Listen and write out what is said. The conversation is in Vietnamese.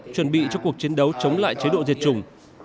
chuẩn bị cho cuộc chiến đấu chống lại chế độ diệt chủng